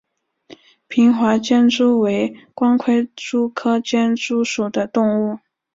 平滑间蛛为光盔蛛科间蛛属的动物。